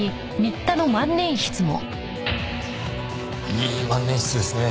いい万年筆ですね。